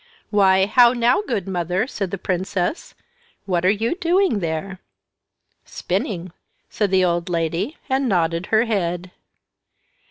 "Why, how now, good mother," said the princess, "what are you doing there?" "Spinning," said the old lady, and nodded her head.